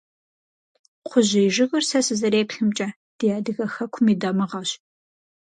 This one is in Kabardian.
Кхъужьей жыгыр, сэ сызэреплъымкӀэ, ди адыгэ хэкум и дамыгъэщ.